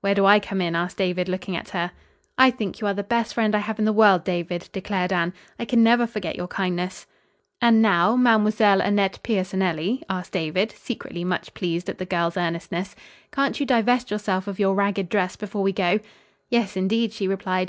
"Where do I come in?" asked David, looking at her. "I think you are the best friend I have in the world, David," declared Anne. "I can never forget your kindness." "And now, Mademoiselle Annette Piersonelli," asked David, secretly much pleased at the girl's earnestness, "can't you divest yourself of your ragged dress before we go?" "Yes, indeed," she replied.